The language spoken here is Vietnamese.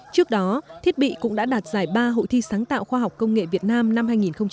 trước đó thiết bị cũng đã đạt giải ba hội thi sáng tạo khoa học công nghệ việt nam năm hai nghìn một mươi chín